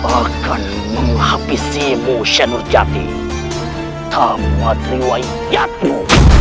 akan menghabisi motion rujak di tamu atiwayatmu